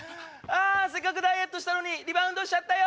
あせっかくダイエットしたのにリバウンドしちゃったよ！